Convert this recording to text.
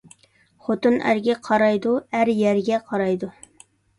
خوتۇن ئەرگە قارايدۇ، ئەر يەرگە قارايدۇ